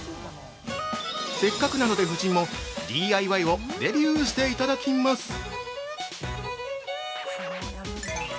せっかくなので夫人もＤＩＹをデビューしていただきます。